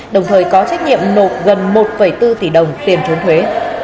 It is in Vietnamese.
đồng thời có trách nhiệm nộp gần một bốn tỷ đồng tiền trốn thuế